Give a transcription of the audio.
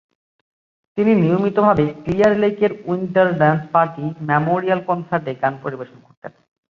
তিনি নিয়মিতভাবে ক্লিয়ার লেকের উইন্টার ড্যান্স পার্টি মেমোরিয়াল কনসার্টে গান পরিবেশন করতেন।